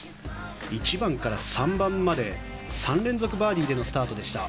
１番から３番まで３連続バーディーでのスタートでした。